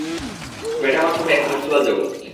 Metaverse হবে এক virtual জগৎ।